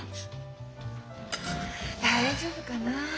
大丈夫かなあ。